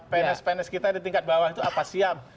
pns pns kita di tingkat bawah itu apa siap